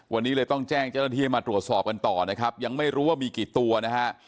วันนี้เลยต้องแจ้งเจ้าหน้าที่ให้มาตรวจสอบกันต่อนะครับยังไม่รู้ว่ามีกี่ตัวนะฮะ